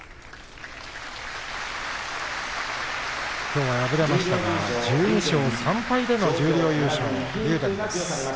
きょうは敗れましたが１２勝３敗での十両優勝です。